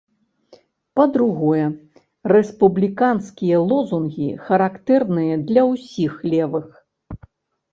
Па-другое, рэспубліканскія лозунгі характэрныя для ўсіх левых.